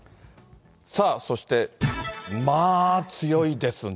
そして、まあ強いですね。